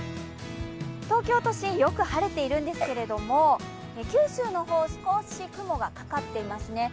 東京都心、よく晴れているんですけれども、九州の方、少し雲がかかっていますね。